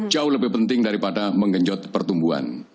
jauh lebih penting daripada menggenjot pertumbuhan